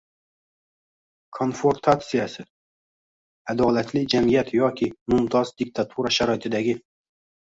konfrontatsiyasi, adolatli jamiyat yoki “mumtoz” diktatura sharoitidagi